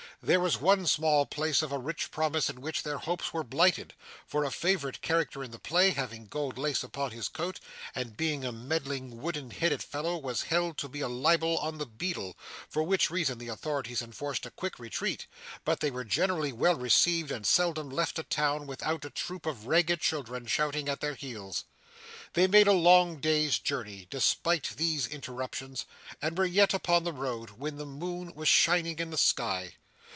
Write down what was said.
There was one small place of rich promise in which their hopes were blighted, for a favourite character in the play having gold lace upon his coat and being a meddling wooden headed fellow was held to be a libel on the beadle, for which reason the authorities enforced a quick retreat; but they were generally well received, and seldom left a town without a troop of ragged children shouting at their heels. They made a long day's journey, despite these interruptions, and were yet upon the road when the moon was shining in the sky.